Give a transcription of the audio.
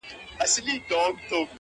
ټول عمر تكه توره شپه وي رڼا كډه كړې!